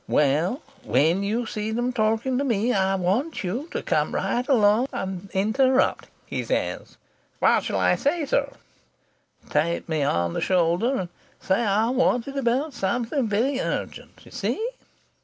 Well, when you see them talking to me, I want you to come right along and interrupt,' he says. "'What shall I say, sir?' "'Tap me on the shoulder and say I'm wanted about something very urgent. You see?'